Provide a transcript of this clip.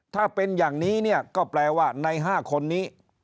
ถ้าเป็นอย่างนี้เนี่ยก็แปลว่าใน๕คนนี้